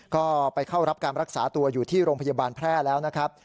ก็ไปเข้ารับการรักษาตัวอยู่ที่โรงพยาบาลแพร่แล้วนะครับ